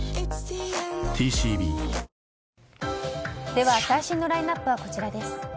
では、最新のラインアップはこちらです。